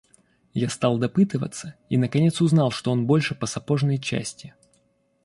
Я стал допытываться и, наконец, узнал, что он больше по сапожной части.